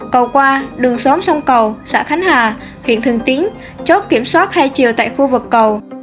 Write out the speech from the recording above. cầu qua đường xóm sông cầu xã khánh hà huyện thường tiến chốt kiểm soát hai chiều tại khu vực cầu